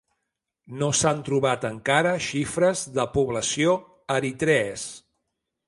No s'han trobat encara xifres de població eritrees.